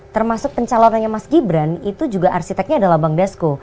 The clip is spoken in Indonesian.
termasuk pencalonannya mas gibran itu juga arsiteknya adalah bang desko